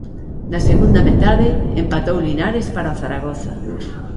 Na segunda metade empatou Linares para o Zaragoza.